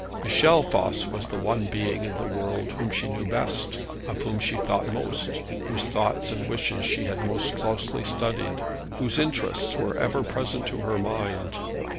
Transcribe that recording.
Michel Voss was the one being in the world whom she knew best, of whom she thought most, whose thoughts and wishes she had most closely studied, whose interests were ever present to her mind.